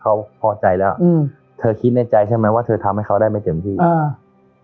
เขาพอใจแล้วอืมเธอคิดในใจใช่ไหมว่าเธอทำให้เขาได้ไม่เต็มที่อ่า